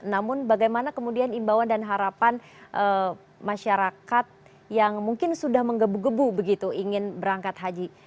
namun bagaimana kemudian imbauan dan harapan masyarakat yang mungkin sudah menggebu gebu begitu ingin berangkat haji